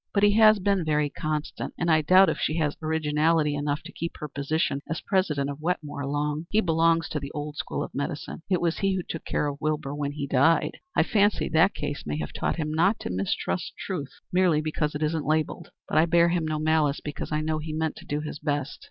But he has been very constant, and I doubt if she has originality enough to keep her position as president of Wetmore long. He belongs to the old school of medicine. It was he who took care of Wilbur when he died. I fancy that case may have taught him not to mistrust truth merely because it isn't labelled. But I bear him no malice, because I know he meant to do his best.